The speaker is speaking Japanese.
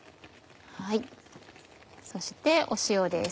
そして塩です。